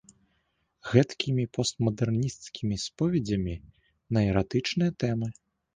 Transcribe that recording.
Гэткімі постмадэрнісцкімі споведзямі на эратычныя тэмы.